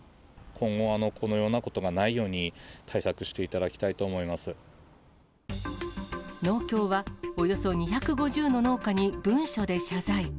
今後、このようなことがないように対策していただきたいと思いま農協は、およそ２５０の農家に文書で謝罪。